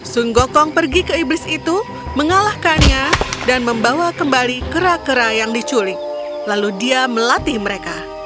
sun gokong pergi ke iblis itu mengalahkannya dan membawa kembali kera kera yang diculik lalu dia melatih mereka